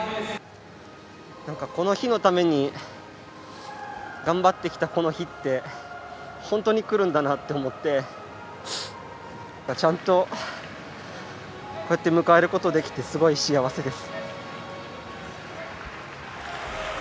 なんか、この日のために頑張ってきた、この日って本当にくるんだなって思ってちゃんと、こうやって迎えることができてすごい幸せです。